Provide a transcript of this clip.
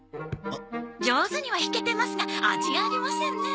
上手には引けてますが味がありませんね。